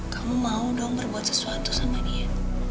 kamu mau dong berbuat sesuatu sama dia